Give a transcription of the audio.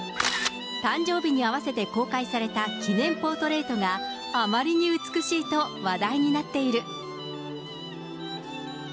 誕生日に合わせて公開された記念ポートレートが、あまりに美しいと話題になっている。